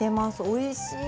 おいしい。